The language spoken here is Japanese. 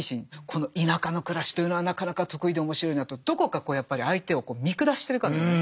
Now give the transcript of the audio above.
この田舎の暮らしというのはなかなか特異で面白いなとどこかこうやっぱり相手を見下してるかのような。